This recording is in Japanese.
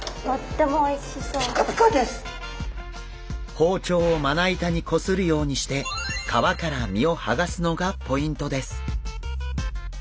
包丁をまな板にこするようにして皮から身をはがすのがポイントです。